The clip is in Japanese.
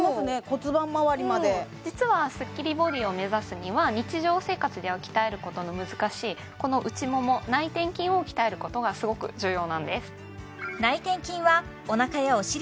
骨盤まわりまで実はスッキリボディーを目指すには日常生活では鍛えることの難しいこの内もも内転筋を鍛えることがすごく重要なんです